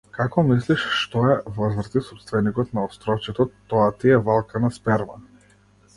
Како мислиш што е, возврати сопственикот на островчето, тоа ти е валкана сперма.